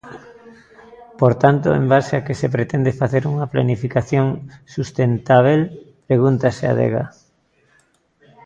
"Por tanto, en base a que se pretende facer unha "planificación sustentábel?, pregúntase Adega.